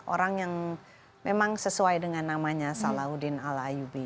orang yang memang sesuai dengan namanya salahuddin alayubi